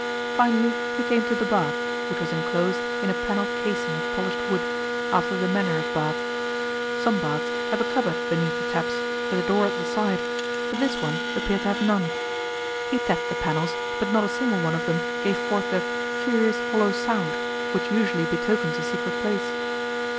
Finally he came to the bath, which was enclosed in a panelled casing of polished wood, after the manner of baths. Some baths have a cupboard beneath the taps, with a door at the side, but this one appeared to have none. He tapped the panels, but not a single one of them gave forth that 'curious hollow sound' which usually betokens a secret place.